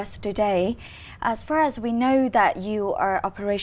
và sự lãnh đạo và lãnh đạo mạnh